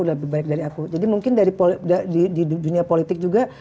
lebih baik dari aku jadi mungkin dari di dunia politik juga